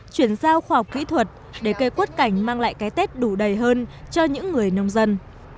chuyển giao khoa học kỹ thuật để cây quất cảnh mang lại cái tết đủ đầy hơn cho những người nông dân